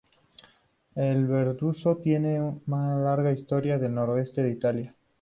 La verduzzo tiene na larga historia en el noreste de Italia.